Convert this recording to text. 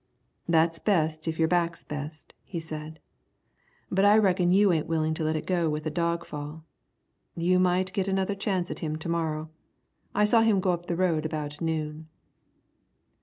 "That's best if your back's best," he said; "but I reckon you ain't willing to let it go with a dog fall. You might get another chance at him to morrow. I saw him go up the road about noon."